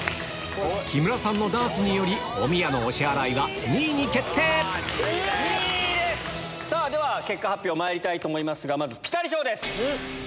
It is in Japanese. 木村さんのダーツによりおみやのお支払いは２位に決定では結果発表まいりますがまずピタリ賞です。